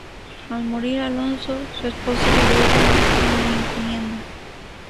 Al morir Alonso, su esposa hereda la Encomienda.